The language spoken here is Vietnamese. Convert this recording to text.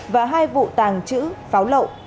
và hai vụ tàng chữ pháo lộ